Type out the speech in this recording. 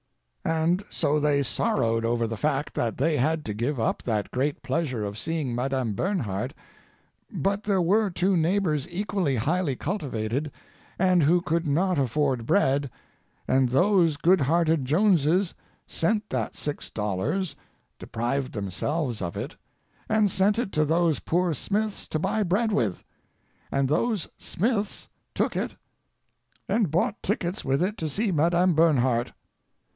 And so they sorrowed over the fact that they had to give up that great pleasure of seeing Madame Bernhardt, but there were two neighbors equally highly cultivated and who could not afford bread, and those good hearted Joneses sent that six dollars—deprived themselves of it—and sent it to those poor Smiths to buy bread with. And those Smiths took it and bought tickets with it to see Madame Bernhardt.